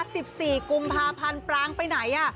สิบสี่กุมภาพันธ์ปรางไปไหนอ่ะ